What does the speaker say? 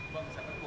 bang saya kekuat